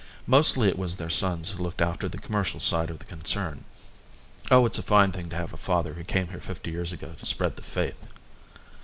Mostly it was their sons who looked after the commercial side of the concern. Oh, it's a fine thing to have a father who came here fifty years ago to spread the faith."